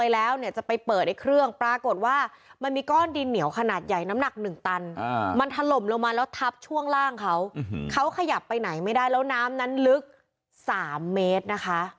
แล้วน้ำนั้นลึก๓เมตรนะคะ